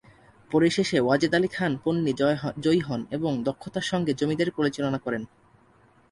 পরিশেষে ওয়াজেদ আলী খান পন্নী জয়ী হন এবং দক্ষতার সঙ্গে জমিদারি পরিচালনা করেন।